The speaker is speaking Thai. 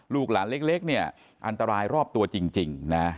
ลูกหลานเล็กเนี่ยอันตรายรอบตัวจริงนะ